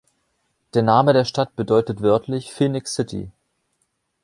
Der Name der Stadt bedeutet wörtlich: Phoenix City.